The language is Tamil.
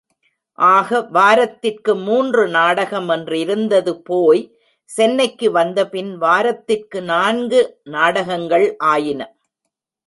ஆக வாரத்திற்கு மூன்று நாடகம் என்றிருந்தது போய் சென்னைக்கு வந்தபின் வாரத்திற்கு நான்கு நாடகங்கள் ஆயின.